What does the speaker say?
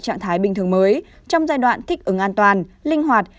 trạng thái bình thường mới trong giai đoạn thích ứng an toàn linh hoạt